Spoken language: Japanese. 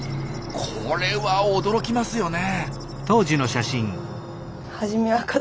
これは驚きますよね。